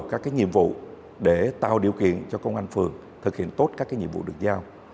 các nhiệm vụ để tạo điều kiện cho công an phường thực hiện tốt các nhiệm vụ được giao